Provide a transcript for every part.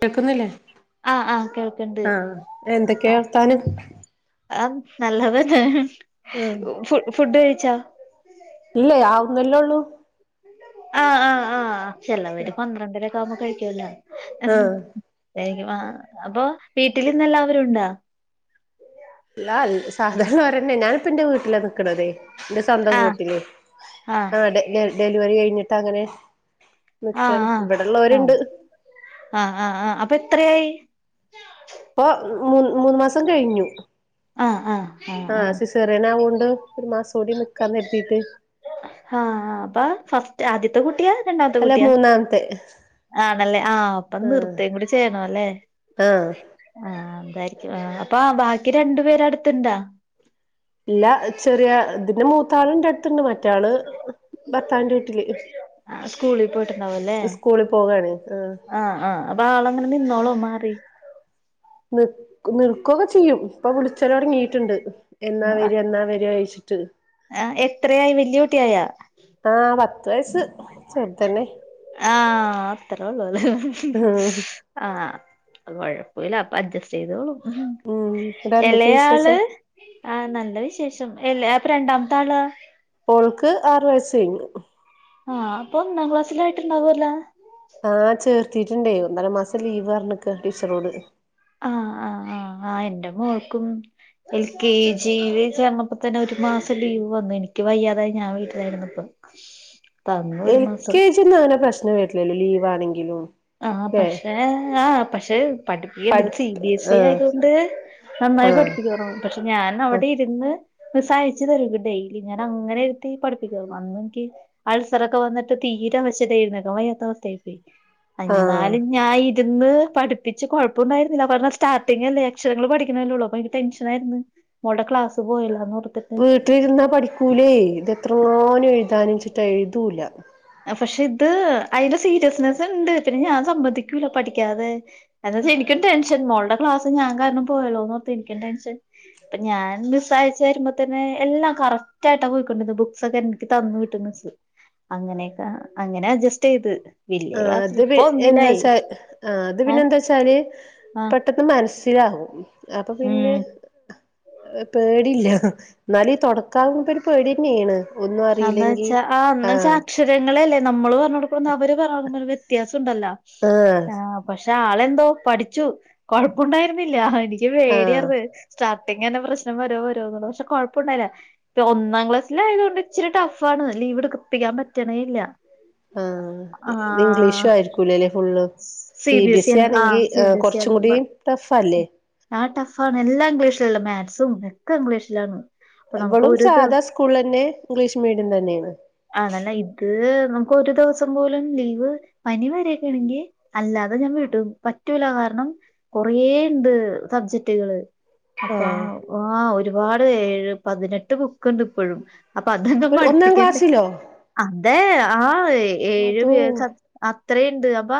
കേൾക്കുന്നില്ലേ ആഹ് ആഹ് കേൾക്ക്ണ്ട് ആഹ് എന്തൊക്കെ ആഹ് വർത്താനം? ആഹ് നല്ലതന്നേ ഫ ഫുഡ് കഴിച്ചാ? ഇല്ലേ ആവുന്നല്ലുള്ളൂ. ആഹ് ആഹ് ആഹ് ചെലവര് പന്ത്രണ്ടരക്കെ ആവുമ്പോ കഴിക്കല്ലോ ആഹ് [unintelligible] അപ്പൊ വീട്ടിൽ ഇന്ന് എല്ലാവരും ഉണ്ടാ? അല്ല [unintelligible] ഞാനിപ്പ ന്റെ വീട്ടില നിക്കണതെ- ന്റെ സ്വന്തം ആഹ് വീട്ടില് ആഹ് ഡ ഡെലിവറി കഴിഞ്ഞിട്ട് അങ്ങനെ- ആഹ് നിക്കാണ് ആഹ് ആഹ് ഇവിടെള്ളോരുണ്ട്- ആഹ് ആഹ് ആഹ് അപ്പൊ എത്രയായി? ഇപ്പൊ മൂന്ന് മൂന്ന് മാസം കഴിഞ്ഞു. ആഹ് സിസേറിയൻ ആവോണ്ട് ഒരു മാസം കൂടി നിക്കാന്ന് കരുതീട്ട്- ആഹ് അപ്പ ഫസ്റ്റ് ആദ്യത്തെ കുട്ടിയാ രണ്ടാമത്തെ അല്ല കുട്ടിയാ? മൂന്നാമത്തെ ആണല്ലേ ആഹ് അപ്പോ ആഹ് നിർത്തെയും കൂടി ചെയണംല്ലേ? ആഹ് ആഹ് അതായിരിക്കും അപ്പ ബാക്കി രണ്ടു പേര അടുത്ത്ണ്ടാ? ഇല്ല ചെറിയ ഇതിന്റെ മൂത്താള്ണ്ട്- ണ്ട് മറ്റാള് ഭർത്താവിന്റെ വീട്ടില്- സ്കൂളിൽ പോയിട്ടുണ്ടാവും അല്ലേ ഇസ്കൂളി പോവാണ് ആഹ് അപ്പൊ ആള് അങ്ങനെ നിന്നോളോ മാറി? നി നിർക്കൊക്കെ ചെയ്യും ഇപ്പൊ വിളിച്ചലോടങ്ങിട്ടുണ്ട്. എന്നാ ആഹ് വര എന്നാ വരാ അഴിച്ചിട്ട് ആഹ് എത്രയായി വല്യ കുട്ടിയായ ആഹ് പത്ത് വയസ്സ്- ചെറുതന്നെ ആഹ് അത്ര ഒള്ളൂലെ- ആഹ് അ കൊഴപ്പില്ല അപ്പൊ അഡ്ജസ്റ്റ് ചെയ്തോളൂ ഉം ഇവിടെ എന്തൊക്കെയാ എളയാള്? വിശേഷം ആഹ് നല്ല വിശേഷം എല്ല അപ്പൊ രണ്ടാമത്തെ ആള്? ഓൾക്ക് ആറു വയസ്സ് കഴിഞ്ഞ് - ആഹ് അപ്പ ഒന്നാം ക്ലാസ്സിലായിട്ടുണ്ടാവല്ലേ? ആഹ് ചേർത്തിട്ടുണ്ടേ ഒന്നര മാസം ലീവ് പറഞ്ഞക്ക ടീച്ചറോട്- ആഹ് ആഹ് [inaudible] ആഹ് ആഹ് എന്റെ മോൾക്കും- എൽ കെ ജിൽ ചേർന്നപ്പോ തന്നെ ഒരു മാസം ലീവ് വന്നു എനിക്ക് വയ്യാതായി ഞാൻ വീട്ടിലായിരുന്നുപ്പം എൽ കെ ജിന്നങ്ങനെ പ്രശ്നം വര്ലല്ലോ ലീവ് ആണെങ്കിലും ആഹ് പക്ഷേ ആഹ് പക്ഷെ പഠ്പ്പിക്ക്ണ്ട് ഇത് പഠി സി ബി എസ് സി ആഹ് ആയതൊണ്ട് നന്നായി ആഹ് പഠിപ്പിക്കേർന്നു പക്ഷെ ഞാൻ ആഹ് അവിടെര്ന്ന് സഹായ്ച്തരു ക്ഡെയിലി ഞാന അങ്ങനെര്ത്തി പഠിപ്പിക്കേർന്നു അന്നൻകി അൾസറൊക്കെ വന്നിട്ട് തീരെ വെശതേര്ന്ന്ട്ടോ വയ്യത്തവസ്ഥയ്പെയി ആഹ് എന്നാലും ഞാൻ ഇരുന്ന് പഠിപ്പിച്ച് കൊഴപ്പൊണ്ടായിര്ന്നില പഠന സ്റ്റാട്ടിങ ല്ലേ അക്ഷരങ്ങള് പഠിക്ക്ണെല്ലെള്ളൂ അപ്പയ്ൻ്റെ ടെൻഷൻ ത്തതായിര്ന്ന് മോൾടെ ക്ലാസ്സ് പോയല്ലാന്നോർ വീട്ടിലിര്ന്നാ പഠിക്കൂലയ് ഇതെത്രങ്ങാനുഴ്താന്ച്ട്ടാ എഴുതൂല പക്ഷെത് അയ്ന്റെ സീരിയസ്നെസ്ണ്ട് പിന്നെ ഞാൻ സമ്മതിക്കൂല പഠിക്യാതെ അതാത് എനിക്കും ടെൻഷൻ മോൾടെ ക്ലാസ് ഞാൻ കാരണം പോയല്ലോന്നോർത്ത എനിക്കും ടെൻഷൻ- ഞാൻ [unintelligible] യച്ച വരുമ്പോ തന്നെ എല്ലാം കറക്റ്റ് ആയിട്ടാണ് വയ്ക്കുന്നണ്ട് ബുക്സ് ഒക്കെ തന്ന് വിട്ട് മിസ്സ്‌ അങ്ങനെയക്കെ അങ്ങനെ അഡ്ജസ്റ്റ് ചെയ്ത്- വലിയ ആഹ് ക്ലാസ് അത് പി ഇപ്പൊ ഒന്നിലായി എന്താച്ചാ ആഹ് അത് പിന്നെ ഏഹ് എന്താച്ചാല് ആഹ് പെട്ട മൻസ്സിലാവും അപ്പൊ പിന്നെ ഉം പേടില്ല ന്നാലും ഈ തൊടക്കാവുമ്പര് പേടിന്നേണ് അന്നച്ചാ ആന്ന്ച്ചാ ക്ഷ് ക്ഷരങ്ങളല്ലേ നമ്മള് പറഞ്ഞോട്ക്കണതും അവര് പറഞ്ഞോ കൊടുക്കുമ്പ വ്യത്യാസുണ്ടല്ലോ ആഹ് പക്ഷെ ആളെന്തോ പഠിച്ചു കൊഴപ്പുണ്ടായിരുന്നില്ല ഹ എനിക് ആഹ് പേട്യാർന്ന് സ്റ്റാർട്ടിങ്ങന്നെ പ്രശ്നം വരോ വരോന്നുള്ള പഷെ കുഴപ്പുണ്ടായില പ്പ ഒന്നാക്ലാസ്സിലായോള്ളാണ്ട് ച്ചിരി ട്ടഫാണ് ലീവ്ട്ക് കിപ്പിക്കാൻ പറ്റ്ണേല്യ ആഹ് ഇ ഇംഗ്ലീഷു ആയിരിക്കൂലല്ലേ full C B S E BSc ആണ് ആയ്ര്ന്നങ്കി ആഹ് സി അ് കൊർച്ചുംകുടീം ട്ടഫല്ലേ ആഹ് ടഫാണ് എല്ലാഇംഗ്ലീഷ്‌ലള്ള മാക്‌സും എക്കെ ഇംഗ്ലീഷ്ലാണ് ഇബളും സാധാസ്കൂൾളന്നെ ഇംഗ്ലീഷ് മീഡിയം തന്നെണ് ആണല്ലേ ഇത് നമുക്ക് ഒര് ദിവസം പോലും ലീവ് പനി വരൊക്കണെങ്കി അല്ലാതെ ഞാൻ വിടു പറ്റൂല ആര്നം കൊറേണ്ട് സബ്ജറ്റ്കള് അപ്പ ആഹ് ആഹ് ഒര്പാട് ഏഴ് പതിനെട്ട് ബുക്ക്ണ്ട്പ്പഴും ഒരു ഒന്നാം അപ്പഅതൊന്തപഠിപ്പിക്കണ്ടേ ക്ലാസ്സിലോ അതെ ആഹ് ഏഴു അതോ പേജ അത്രേണ്ട് അപ്പ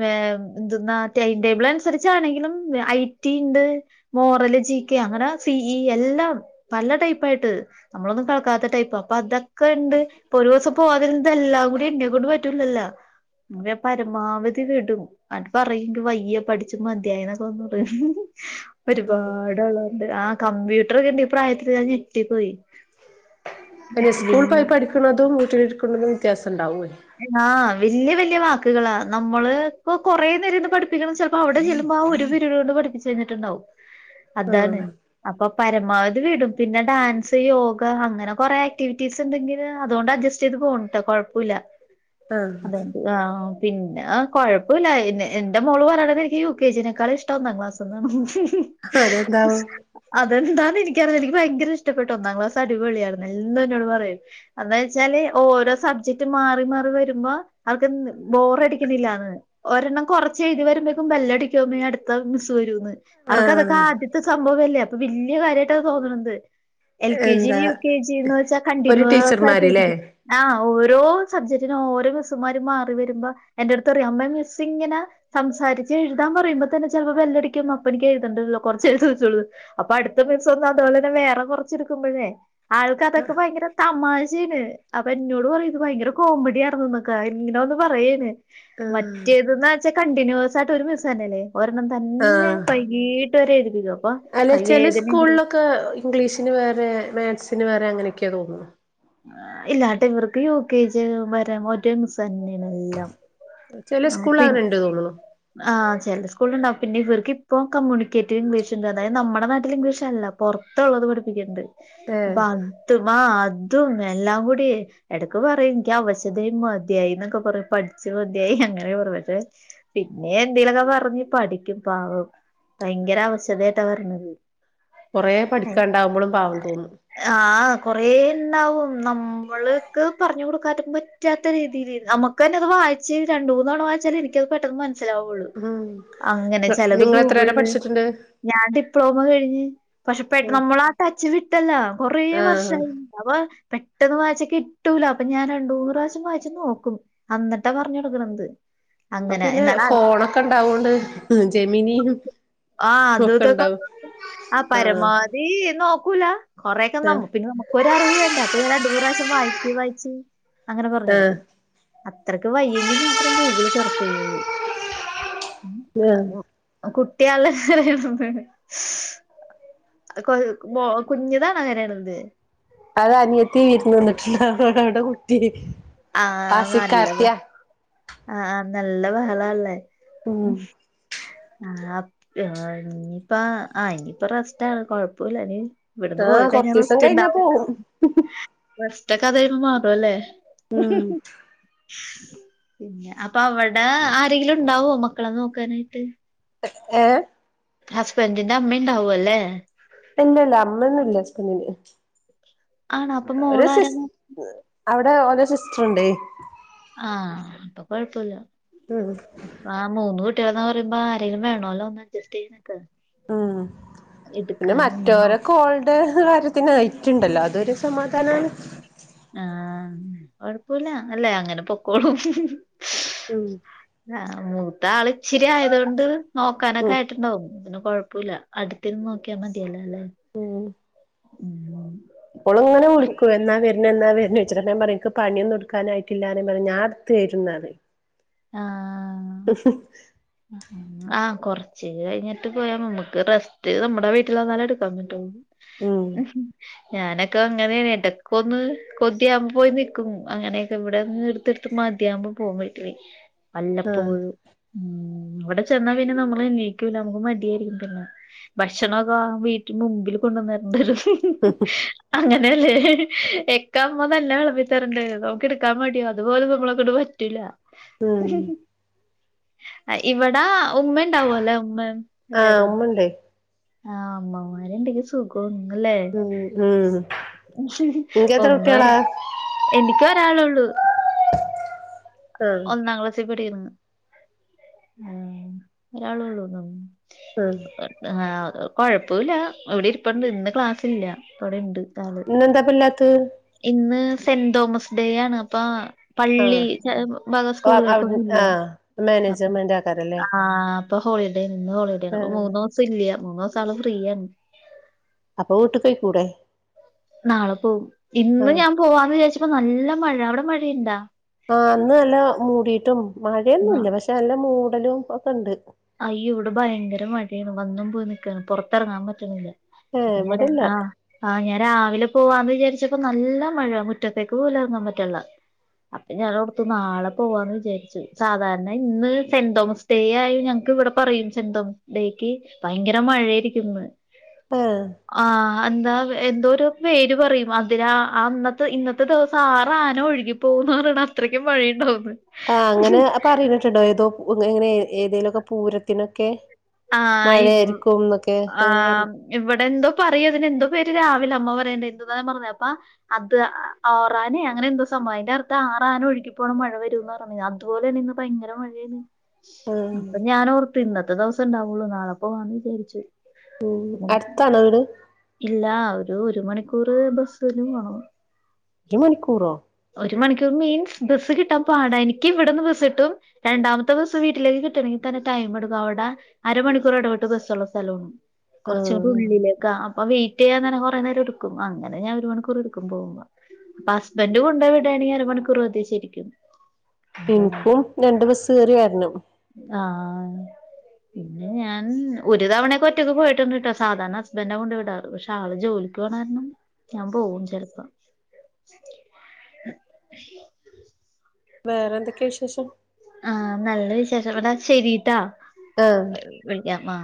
വേംഅ്ന്ത്ന്നാ ടൈം ടേബിള ൻസരിച്ചാണെങ്കിലും വെഐട്ടിണ്ട് മോറല് ജി കെ അങ്ങനെ സി ഈ എല്ലാം പല ടൈപ്പായിട്ട് നമ്മളൊന്നും കേൾക്കാത്ത ടൈപ്പ പ്പൊഅതൊക്കെണ്ട് പ്പൊരുസം പോവാതിര് ന്തല്ലാകൂടി ന്നെക്കൊണ്ട് പറ്റൂലല്ലാ [unintelligible] പരമാവധി വിടും അട് പറയുൻക് വയ്യ പഠിച്ച്മധ്യായി ന്നൊക്കെ വന്ന്പറ പചര്പാട്ള്ളത് ആഹ് കമ്പ്യൂട്ടർണ്ട് ഈ പ്രായത്തില് ഞാ ഞെട്ടിപ്പോയി പന്നെ വല്യ സ്കൂൾപോയ് പഠിക്ക്ണതും വീട്ടിലിര്ക്ക്ണതു വ്യത്യാസണ്ടാവോയ് ആഹ് വല്യ വല്യ വാക്ക്കളാ നമ്മള്പ്പോ കൊറേനേരര്ന്ന് പഠിപ്പിക്കണംച്ച പ്പഅവ്ടെ ചെല്ലുമ്പോ ആഒരു പിരടോണ്ട് പഠപ്പിച്ചയ്ഞ്ട്ട്ണ്ടാവും അതാണ് ആഹ് അപ്പൊ പരമാവധി വിടും പിന്നെ ഡാൻസ് യോഗ അങ്ങനെ കൊറെ ആക്ടിവിറ്റീസ്ണ്ടങ്കില് അതുകൊണ്ട് അഡ്ജസ്റ്റ് സ്റ്റിത് പോൺട്ടോ കൊഴ്പുല്ല ആഹ് ആഹ് പിന്നെ കൊഴപ്പുല്ല എന്നെ എന്റെ മോള് പറണത്ക് യു കെ ജിനേക്കാളു ഷ് ഇട്ടന്നാ [unintelligible] അതെന്താവും അതെന്താന്ന്നിക്കറില്യ നിക്ക് ഭയങ്കര ഇഷ്ടപ്പെട്ടു ഒന്നാം ക്ലാസ അടിപൊളിയാര്ന്നെ എൽന്നു എന്നോട് പറേയ് അന്താച്ചാല് ഓരോ സബ്ജക്ട് മാ റിമാറി വരുമ്പോ അവർകെന്ത് ബോറടിക്യുന്നില്ലാന്ന് ഒരെണ്ണം കൊർച്ചെഴ്തി വരുമ്പേക്കും ബെല്ലടിക്യും പിന്നെ അട്ത്ത മിസ്സ് വരൂന്ന് അറൊക്കെ അതൊക്കെ ആഹ് ആദ്യത്തെ സംഭവല്ലേ അപ്പൊ വല്യ കാര്യയിട്ടാ തോന്ന്ണത് എൽ കെ ജിം എന്താ യു കെ ജിന്ന്വെച്ചാ ഒരു ടീച്ചർമാരില്ലേ കണ്ടിന്യൂസായ്ട്ടഴ്തിക്കും ആഹ് ഓരോ സബ്ജക്റ്റിനോരോ മിസ്സുമാരും മാറി വരുമ്പ എന്റെട്ത്ത് അറിം അമ്മേ മിസ്സി ങ്ങനെ സംസാരിച്ച് എഴുതാ പറയുമ്പോൾ തന്നെ ചെലപ്പോ ബെല്ലടിക്കും. അപ്പൊ എനിക്ക് എഴുതേണ്ടല്ലോ കുറച്ച് എഴുതതോള്ളൂ അപ്പൊ അടുത്ത [unintelligible] വേറെ കുറച്ച് എടുക്കുമ്പോളെ ആൾക്ക് അതൊക്കെ ഭയങ്കര തമാശയാണ്. അപ്പൊ എന്നോട് പറയും. ഇത് ഭയങ്കര കോമഡി ആർന്നുന്ന് ഇങ്ങനെ ഒന്ന് പറയേ ആഹ് മറ്റേത് ച്ച കണ്ടിന്യൂസ് ആയിട്ട് ഒരു ദിവസം തന്നല്ലേ ഒരെണ്ണം തന്നെ വൈകീട്ട് വരെ എഴുപ്പിക്കും അല്ലെ ചെല സ്കൂളിലൊക്കെ ഇംഗ്ലീഷന് വേറെ മേക്സ്ന് വേറെ അങ്ങനെയൊക്കെയ തോന്നുന്നു. ഇല്ലാട്ടെ ഇവർക്ക് യു കെജി വരാ [unintelligible] തന്നെയണ എല്ലാം ചില ആ സ്കൂളിൽ പിൻ അങ്ങനെണ്ട് തോന്നുണു ആഹ് ചില സ്കൂള്ല് ഉണ്ടാവും പിന്നെ ഇവർ ഇപ്പോ കമ്മ്യൂണിക്കേറ്റീവ് ഇംഗ്ലീഷ് ഉണ്ട് അതായത് നമ്മുടെ നാട്ടിൽ ഇംഗ്ലീഷ് അല്ല പൊറത്തുള്ളത് പഠിപ്പിക്കണ്ട് ഏഹ് പ്പൊ ഥവാ അതും എല്ലാം കൂടി എടക്ക് പറയും എനിക്ക് അവശത മതിയായി എന്നൊക്കെ പറയും പഠിച്ച് മതിയായി അങ്ങനെ കുറ പക്ഷെ പിന്നെ എന്തേലൊക്കെ പറഞ്ഞു പഠിക്കും പാവം ഭയങ്കര അവശതആയിട്ട വരണത് കുറേ പഠിക്കാണ്ടാവുമ്പോഴും പാവം തോന്നും ആഹ് കൊറേ ണ്ടാക്കും നമ്മൾക്ക് പറഞ്ഞു കൊടുക്കാ പറ്റാത്ത രീതിൽ നമുക്ക് തന്നെ അത് വായി ച്ച് രണ്ട് മൂന്ന തണ് വച്ചാൽ എനിക്ക് അത് പെട്ടെന്ന് മനസിലാവും ഫുൾ ഉം അങ്ങനെ ചെലത് നിങ്ങൾ എത്ര വരെ ഗൂഗിള് പഠിച്ചിട്ടുണ്ട് ഞാൻ ഡിപ്ലോമ കഴിഞ്ഞ് പക്ഷെ പെട്ട നമ്മളാ ആ ടച്ച് വിട്ടല്ല കൊറ ആഹ് വർഷയി അപ്പ പെട്ടെന്ന് വായിച്ചക്കെ കിട്ടൂല അപ്പൊ ഞാൻ രണ്ടൂ പ്രാവശ്യം വായിച്ച് നോക്കും അന്നിട്ടാ പറഞ്ഞ കൊടുക്കണ എന്ത് അപ്പൊ പിന്നെ ഫോണൊക്കെ ഇണ്ടാവോണ്ട് ജമീനിയും ആഹ് ത് അതും ഒക്കെ ണ്ടാക്കും ആഹ് ഈ നോക്കൂല കൊറെേൊക്കെ ആഹ് നമ്മു പിന്നെ നമുക്കൊര് അറിവ് വേണ്ടേ അപ്പൊ രണ്ട് മൂന്ന് പ്രാവശ്യം വായിച്ച് വായിച്ച് അങ്ങനെ പറഞ്ഞു ആഹ് കൊടുക്കും അത്രക്ക് വയ്യെങ്കി മാത്രം ഗൂഗിള് സെർച്ച് ചെയ്യുള്ളൂ ആഹ് ഉം കുട്ട്യാള് കൊ കുഞ്ഞ്ഞുതാ അങ്ങനെ ണത് അത് അനിയത്തി വിരുന്ന് വന്നിട്ടുണ്ട്ടെ കുട്ടി ആഹ് ആഹ് ആസിക്കാത്തിയാ [unintelligible] ആ നല്ല ബഹളല്ലേ ഉം ഹും ആ ഇനിയിപ്പ ആ ഇനിയിപ്പ റസ്റ്റ കൊഴപ്പില്ലനി ഇവിടുന്ന് പോയി ആഹ് കഴിഞ്ഞാൽ കൊറച്ചീസം റസ്റ്റ് കഴിഞ്ഞാ ഉണ്ടാവും പോവും റെസ്റ്റ് ഒക്കെ അത് കഴിയുമ്പോ മാറും അല്ലേ ഉം അപ്പൊ അവിടെ ആരെങ്കിലും ഉണ്ടാവോ മക്കളെ നോക്കാനായിട്ട് ഏഹ് ഹസ്ബൻഡിന്റെ അമ്മ ഉണ്ടാവും അല്ലേ ഇല്ലല്ല അമ്മ ഒന്നും ഇല്ല ഹസ്ബൻഡ് ന് ആണോ അപ്പൊ മോള ആരനോ അവിടെ ഓലെ സിസ്റ്റർണ്ടേ ആഹ് അപ്പൊ കൊഴപ്പൊല്ല ഉം ആഹ് മൂന്ന് കുട്ടികളെന്ന്ന് പറയുമ്പോ ആരെങ്കും വേണല്ലോ ഒന്ന്ഡ്ജസ്റ്റ് ചെയ്യന് ഉം പിന്നെ എടുക്കാനും ഒന്നും മറ്റവരെക്കേ കാര്യത്തിനും ഐറ്റുണ്ടല്ലോ അതൊരു സമാധാനണ് ആഹ് കൊഴപ്പുല്ല അല്ലേ അങ്ങനെ പൊക്കോളും ഉം ആഹ് മൂത്ത ആൾ ഇച്ചിരി ആയത കൊണ്ട് നോക്കാനൊക്കെ ഉം ആയിട്ടുണ്ടാവും കൊഴപ്പ പ്പല അടുത്തിന്ന് നോക്കിയാ മതിയല്ലൊ അല്ലെ ഉം ഓള് ഇങ്ങനെ വിളിക്കു എന്നാ വര് പിന്നെന്നാ വരുന്നെച്ചട്ട ഞൻ പറിം എനിക്ക് പണിയന്നുംടുക്കാനായിട്ടില്ലാ പറഞ്ഞ ഞാൻ ഇടുത്ത തരുന്നറിം ആഹ് ഹുഹുമ് [inaudible] ആഹ് കൊറച്ച് കഴിഞ്ഞിട്ട് പോയാ നമുക്ക് റെസ്റ്റ് നമ്മുടെ വീട്ടിൽ വന്നാലേ എടുക്കാൻ പറ്റുള്ളൂ ഉം ഉഹും ഞാനൊക്കെ അങ്ങനെയാണ് ഇടക്ക ഒന്ന് കൊതിയാമ്പോ പോയി നിക്കും അങ്ങനെയൊക്കെ ഇവിടെന്ന് ഇട്ത്തട്ത്ത് മതിയാകുമ്പോ പോകു വീട്ടില് [inaudible] വല്ലപ്പോഴും ആഹ് ഉം അവിടെ ചെന്നാ പിന്നെ നമ്മള്ണീക്കൂല നമുക്ക് മടിയായിരിക്കുല്ലൊ ഭക്ഷണോക്കെ വീട്ടു മുമ്പിൽ കൊണ്ടുവവന്നരണ്ടരും [inaudible] അങ്ങനെയല്ലേ എക്കാമ്മതല്ല വിളമ്പിത്തരണ്ട് നമുക്ക് എടുക്കാൻ മേടിയ അതുപോലെ നമ്മളെടു പറ്റില്ല ഉം ഇവിടാ ഉമ്മ ഉണ്ടാവുംല്ലേ ഉമ്മ ആഹ് എല്ലാരും ഉമ്മണ്ടേ ആഹ് ഉമ്മമാരുണ്ടെങ്കിൽ സുഖ [unintelligible] ങ്ങല്ലേ ഉം ഉം ഇങ്ങക്കെത്ര കുട്ട്യാളാ [unintelligible] എനിക്ക ഒരാള ഉള്ളൂ ആഹ് ഒന്നാംക്ലാസിൽ പഠിക്കണ്, ഒരാളോള്ളുന്ന ഉം ആഹ് കൊഴപ്പമില്ല എവിടെ ഇരിപ്പണ്ട് ഇന്ന് ക്ലാസ് ഇല്ല, ഇവിടെണ്ട് ആള് ഇന്നെന്താ പല്ലാത്ത ഇന്ന് സെന്റ് തോമസ് ഡേ ആണ് അപ്പൊ ആഹ് പള്ളി ആഹ് അവ്ട് സ്കൂളുകൾക്കൊന്നുംല്ല ആഹ് അപ്പ മാനേജ്മെന്റാക്കാരല്ലേ ആഹ് അപ്പൊ ഹോളിഡേ ഇന്ന് ഹോളിഡേ ആണ് അപ്പോ ആഹ് മൂന്നു ദിവസം ഇല്ല മൂന്ന് ദിവസം ആള് ഫ്രീയാണ് ഫ്രീയണ് അപ്പൊ വീട്ടക്കോയി കൂടെ നാളെ പോവും ഇന്ന് ആഹ് ഞാൻ പോവാന്ന് വിചാരിച്ചപ്പോ നല്ല മഴ അവിടെ മഴയുണ്ടാ ആ ഇ ന്ന് നല്ല മൂടിട്ടും ന്നാ മഴയൊന്നുംല്ല പക്ഷെ നല്ല മൂടലും ഒക്കെ ഉണ്ട് അയ്യോ ഇവിടെ ഭയങ്കര മഴയാണ് വന്നും പോയി നിക്കാണ് പുറത്തിറങ്ങാൻ പറ്റണില്ല ഏഹ് അത് നേരാ ഇവടെല്ല ആഹ് ആഹ് ഞാൻ രാവിലെ പോവാന്ന് വിചാരിച്ചപ്പോ നല്ല മഴ മുറ്റത്തേക്ക് പോലും ഇറങ്ങാൻ പറ്റ്ള്ള അപ്പൊ ഞാനോർത്തു നാളെ പോവാന്ന് വിചാരിച്ചു സാധാരണ ഇന്ന് സെന്റ് തോമസ് ഡേ ആയി ഞങ്ങ ഇവിടെ പറയും സെന്തോമസ് ഡേക്ക് ഭയങ്കര മഴയായിരിക്കുംന്ന് ഏഹ് ആഹ് എന്താ എന്തോ ഒരു പേര് പറയും അതിലാ അന്നത്തെ ഇന്നത്തെ ദിവസം ആറ് ആന ഒഴുകി പോകുന്നറയ്ണ് അത്രയ്ക്കും വഴിയുണ്ടാവും ന്ന് ആഹ് അങ്ങനെ അപ്പറീണിട്ടുണ്ടോ ഏതോങ്ങനെങ്ങനെ ഏതേലൊക്കെ പൂരത്തിനൊക്കെ ആ മഴയായിരിക്കുംന്നൊക്കെ ന്നങ്ങനെ പറഞ് ആഹ് ഇവിടെ എന്തോ പറയതിന് എന്തോ പേര് രാവിലമ്മ പറയേണ്ട എന്ന് ന്നാ ഞാ പറഞ്ഞപ്പാ അദ്വാ ആറാനേയാ അങ്ങനെ എന്തോ സംഭവം അയിന്റെ അർത്ഥം ആറാന ഒഴുകി പോന്നാ മഴ വരുംന്ന പറഞ്ഞീന്ന് അതുപോലെ തന്ന ഇന്ന് ഭയങ്കര മഴേണ്. ആഹ് അപ്പൊ ഞാൻ ഓർത്ത് ഇന്നത്തെ ദിവസേണ്ടാവുള്ളു നാളെപ്പോവാന്ന് വിചാരിച്ചു ഉം പിന്നെന്താ അട്ത്താണോ വീട് ഇല്ല ഒരു ഒരു മണിക്കൂറ് ബസ്സിനും വേണം മണിക്കൂറോ? ഒരു മണിക്കൂർ മീൻസ് ബസ്സ് കിട്ടാൻ പാടാ എനക്ക് ഇവിടുന്ന് ബസ്സ് കിട്ടും രണ്ടാമത്തെ ബസ്സ്‌ വീട്ടിലേക്ക് കിട്ടണെങ്കി തന്നെ ടൈം എടുക്കും അവിടെ അരമണിക്കൂർ ഇടപെട്ട് ബസ്സുള്ള സ്ഥലമാണ് കുറച്ചൂടെ ആഹ് ഉള്ളിലേക്കാ അപ്പൊ വയിറ്റ് ചെയ്യാൻന്നേരം കുറേ നേരം എടുക്കും അങ്ങനെ ഞാൻ ഒരു മണിക്കൂർ എടുക്കും പോവുമ്പോ ഇപ്പൊ ഹസ്ബന്ഡ് കൊണ്ട് വിടാണെങ്കിൽ അര മണിക്കൂർ മതി ശരിക്കും അപ്പൊ ഇനിക്കും രണ്ടു ബസ് കയറി വരണം ആഹ് പിന്നെ ഞാൻ ഒരു തവണയൊക്കെ ഒറ്റക്ക് പോയിട്ട്ണ്ട് ട്ടോ സാധാരണ ഹസ്ബൻഡാ കൊണ്ട് വിടാറ് പക്ഷെ ആള് ജോലിക്ക് പോണാരണം ഞാ പോവും ചെലപ്പം വേറെ എന്തൊക്കെയാ വിശേഷം? ആഹ് നല്ല വിശേഷം എന്നാ ശെരീട്ടാ ആഹ് വിളിക്കാൻ വാ